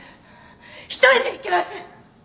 一人で行けます！